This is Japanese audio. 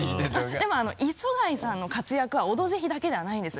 でも磯貝さんの活躍は「オドぜひ」だけではないんです。